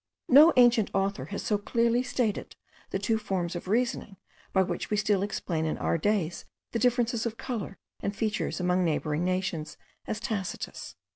No ancient author has so clearly stated the two forms of reasoning, by which we still explain in our days the differences of colour and features among neighbouring nations, as Tacitus.